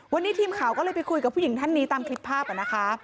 วันนี้ทีมข่าวก็เลยไปคุยกับผู้หญิงท่านนี้ตามคลิปภาพนะคะ